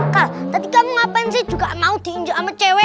kal tadi kamu ngapain sih juga mau diinjek sama cewek